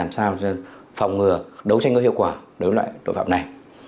làm sao phòng ngừa đấu tranh có hiệu quả đối với loại tội phạm này